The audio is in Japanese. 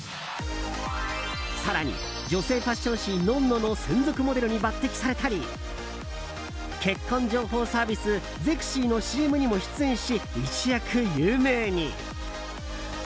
更に、女性ファッション誌「ｎｏｎ‐ｎｏ」の専属モデルに抜擢されたり結婚情報サービス「ゼクシィ」のＣＭ出演にも出演し一躍、有名に。